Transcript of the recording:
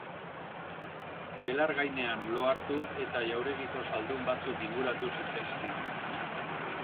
Belar gainean lo hartu eta jauregiko zaldun batzuk inguratu zitzaizkion.